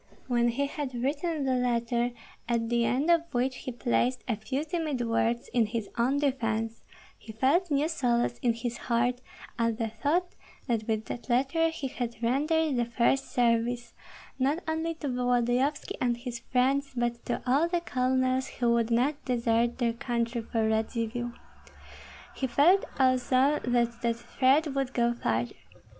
When he had written the letter, at the end of which he placed a few timid words in his own defence, he felt new solace in his heart at the thought that with that letter he had rendered the first service, not only to Volodyovski and his friends, but to all the colonels who would not desert their country for Radzivill. He felt also that that thread would go farther.